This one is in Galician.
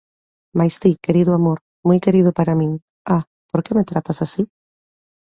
Mais ti, querido amor, moi querido para min, ah, por que me tratas así?